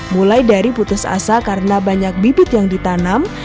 mulai dari putus asa karena banyak bibit yang ditanam